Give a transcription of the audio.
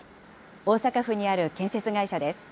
大阪府にある建設会社です。